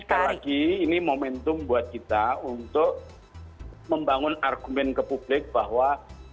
sekali lagi ini momentum buat kita untuk membangun argumen ke publik bahwa